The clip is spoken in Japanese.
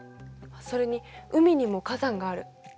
それに海にも火山がある。